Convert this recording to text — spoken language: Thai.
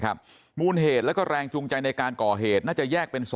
มูลเหตุและแรงจูงใจในการก่อเหตุน่าจะแยกเป็น๒